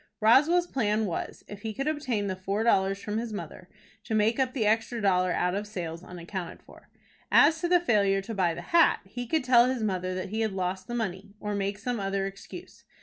Roswell's plan was, if he could obtain the four dollars from his mother, to make up the extra dollar out of sales unaccounted for. As to the failure to buy the hat, he could tell his mother that he had lost the money, or make some other excuse.